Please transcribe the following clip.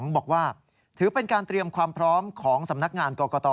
บอกว่าถือเป็นการเตรียมความพร้อมของสำนักงานกรกต